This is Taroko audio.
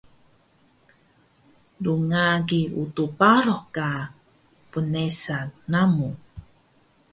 rngagi Utux Baro ka pnesa namu